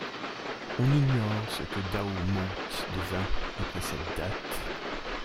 On ignore ce que Douwe Mout devint après cette date.